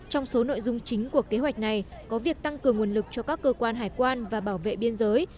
trong số nội dung chính của kế hoạch này có việc tăng cường nguồn lực cho các cơ quan hải quan và bảo vệ biên giới